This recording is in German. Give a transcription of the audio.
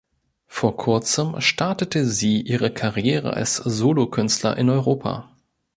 Vor kurzem startete sie ihre Karriere als Solo Künstler in Europa.